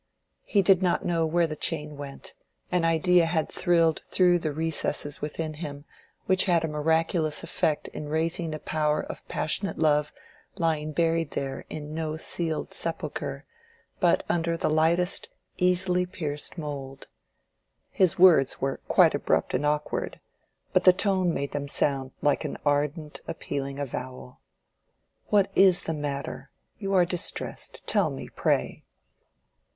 He did not know where the chain went; an idea had thrilled through the recesses within him which had a miraculous effect in raising the power of passionate love lying buried there in no sealed sepulchre, but under the lightest, easily pierced mould. His words were quite abrupt and awkward; but the tone made them sound like an ardent, appealing avowal. "What is the matter? you are distressed. Tell me, pray."